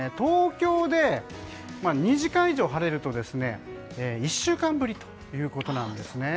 東京で２時間以上晴れると１週間ぶりということなんですね。